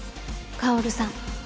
薫さん